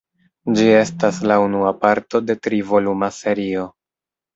Ĝi estas la unua parto de tri-voluma serio.